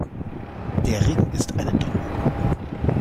Der Ring ist eine Droge.